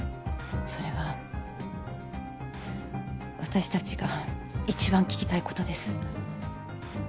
それは私たちが一番聞きたいことです。